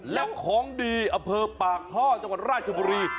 แล้วของดีอำเภอปากท่อจังหวัดราชบุรี